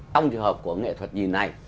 trong trường hợp của nghệ thuật nhìn này